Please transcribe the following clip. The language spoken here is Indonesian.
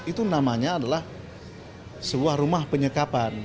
itu namanya adalah sebuah rumah penyekapan